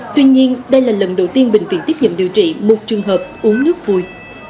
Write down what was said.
tuy nhiên đây là lần đầu tiên bệnh viện tiếp nhận điều trị một trường hợp uống nước vui